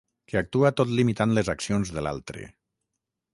Que actua tot limitant les accions de l'altre.